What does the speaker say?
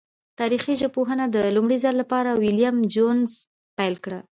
تاریخي ژبپوهنه د لومړی ځل له پاره ویلم جونز پیل کړه.